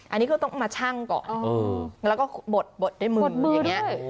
อันนี้ก็ต้องมาชั่งก่อนแล้วก็บดด้วยมืออย่างนี้